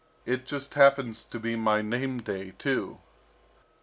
It just happens to be my name day too."